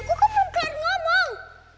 kok kamu belum kelihatan ngomong